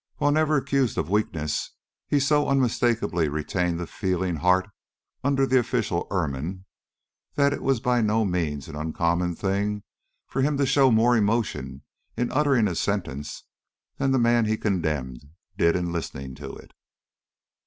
While never accused of weakness, he so unmistakably retained the feeling heart under the official ermine that it was by no means an uncommon thing for him to show more emotion in uttering a sentence than the man he condemned did in listening to it.